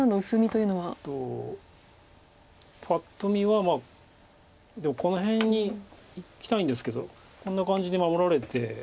パッと見はでもこの辺にいきたいんですけどこんな感じに守られて。